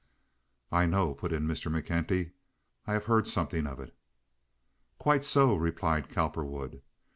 "I know," put in Mr. McKenty. "I have heard something of it." "Quite so," replied Cowperwood.